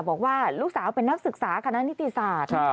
บอกว่าลูกสาวเป็นนักศึกษาคณะนิติศาสตร์